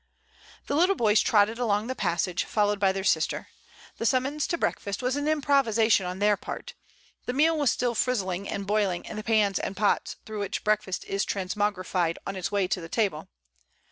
The little boys trotted along the passage, fol lowed by their sister. The summons to breakfast was an improvisation on their part. The meal was still frizzling and boiling in the pans and pots through which breakfast is transmogrified on its way to the table.